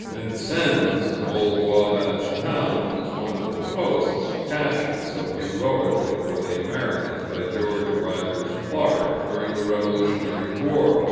Vincennes, an old Wabash town, was one of the posts captured so heroically for the Americans by George Rogers Clark, during the Revolutionary War.